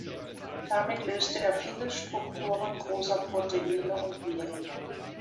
Damit löste er viele Strukturen großer Proteine und Viren.